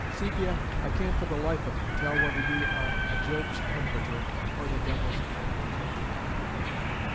"Sepia, I can't for the life of me tell whether you are a Job's comforter or the devil's advocate."